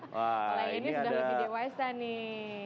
kalau ini sudah lebih dewasa nih